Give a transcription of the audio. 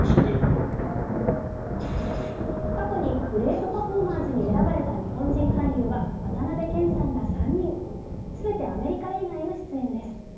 過去にＧｒｅａｔＰｅｒｆｏｒｍｅｒｓに選ばれた日本人俳優は、渡辺謙さんら３人、全てアメリカ映画への出演です。